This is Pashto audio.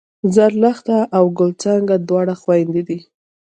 زرلښته او ګل څانګه دواړه خوېندې دي